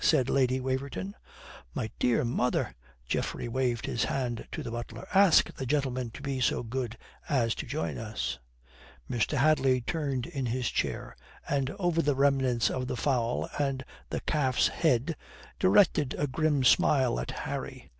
said Lady Waverton. "My dear mother!" Geoffrey waved his hand to the butler. "Ask the gentleman to be so good as to join us." Mr. Hadley turned in his chair, and over the remnants of the fowl and the calf's head directed a grim smile at Harry.